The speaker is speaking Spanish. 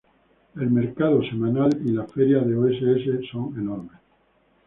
El mercado semanal y la feria de Oss son enormes.